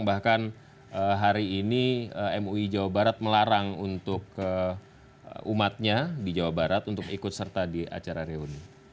bahkan hari ini mui jawa barat melarang untuk umatnya di jawa barat untuk ikut serta di acara reuni